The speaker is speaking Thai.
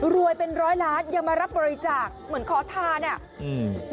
รวยเป็นร้อยล้านยังมารับบริจาคเหมือนคอร์ธาเนี่ย